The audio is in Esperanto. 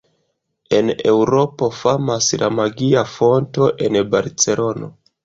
En Eŭropo famas la Magia Fonto en Barcelono.